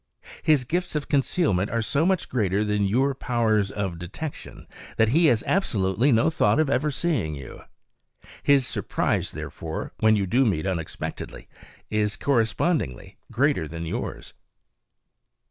His gifts of concealment are so much greater than your powers of detection that he has absolutely no thought of ever seeing you. His surprise, therefore, when you do meet unexpectedly is correspondingly greater than yours.